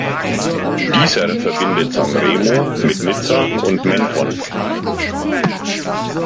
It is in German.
Dieser verbindet Sanremo mit Nizza und Menton.